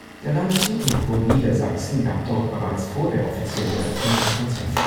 Der Landesjugendchor Niedersachsen gab dort bereits vor der offiziellen Eröffnung ein Konzert.